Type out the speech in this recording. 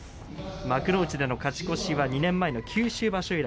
幕内での勝ち越しは２年前の九州場所以来。